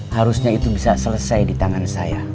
harusnya itu bisa selesai di tangan saya